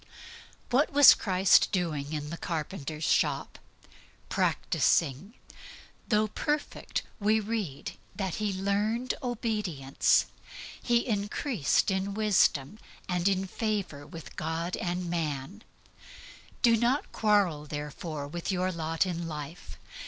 What was Christ doing in the carpenter's shop? Practising. Though perfect, we read that He learned obedience, and grew in wisdom and in favor with God. Do not quarrel, therefore, with your lot in life.